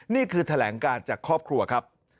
นี่คือแถลงการจากครอบครัวครับ